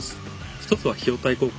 １つは費用対効果。